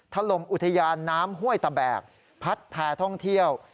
ถล่มอุทยานน้ำห้วยตะแบกพัดแพร่ท่องเที่ยว